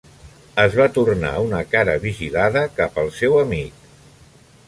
Es va tornar una cara vigilada cap al seu amic.